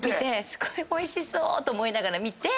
すごいおいしそうと思いながら見て。